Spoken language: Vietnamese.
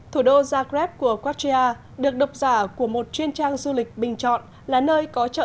thủ đô zagreb của croatia được độc giả của một chuyên trang du lịch bình chọn là nơi có trợ